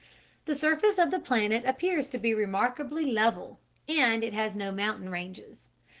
The surface of the planet appears to be remarkably level, and it has no mountain ranges.